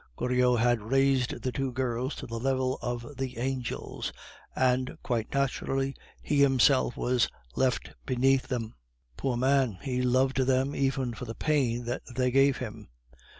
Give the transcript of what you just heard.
Goriot had raised the two girls to the level of the angels; and, quite naturally, he himself was left beneath them. Poor man! he loved them even for the pain that they gave him.